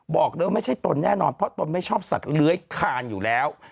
บอกเลยว่าไม่ใช่ตนแน่นอนเพราะตนไม่ชอบสัตว์เลื้อยคานอยู่แล้ว